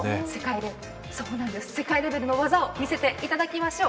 世界レベルの技を見せていただきましょう。